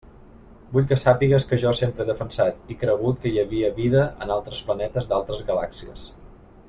Vull que sàpigues que jo sempre he defensat i cregut que hi havia vida en altres planetes d'altres galàxies.